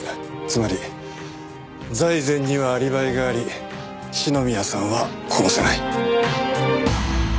つまり財前にはアリバイがあり篠宮さんは殺せない。